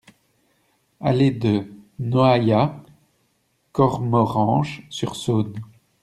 Allée de Noaillat, Cormoranche-sur-Saône